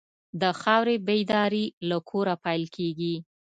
د خاورې بیداري له کوره پیل کېږي.